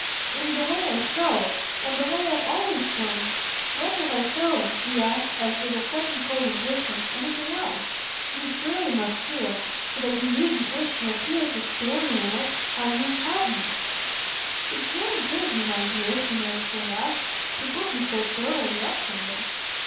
"In the way I show and the way I've always shown. When have I shown," he asked as with a sudden cold impatience, "anything else? You surely must feel so that you needn't wish to appear to spare me in it how you 'have' me." "It's very good of you, my dear," she nervously laughed, "to put me so thoroughly up to it!"